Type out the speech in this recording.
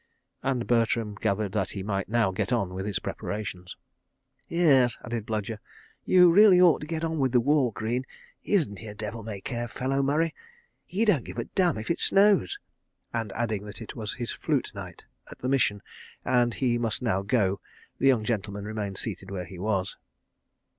And Bertram gathered that he might now get on with his preparations. "Yes," added Bludyer, "you really ought to get on with the war, Greene. Isn't he a devil may care fellow, Murray? He don't give a damn if it snows," and adding that it was his flute night at the Mission, and he now must go, the young gentleman remained seated where he was.